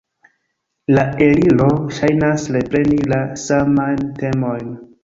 La Eliro ŝajnas repreni la samajn temojn.